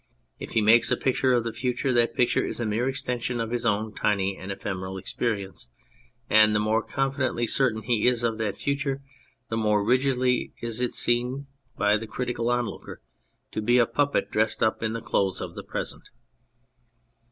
If he makes a picture of the future, that picture is a mere extension of his own tiny and ephemeral experience, and the more confidently certain he is of that future the more rigidly is it seen by the critical onlooker to be a puppet dressed up in the clothes of the present.